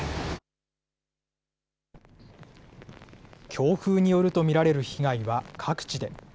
強風によると見られる被害は各地で。